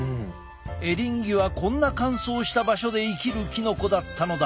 エリンギはこんな乾燥した場所で生きるキノコだったのだ。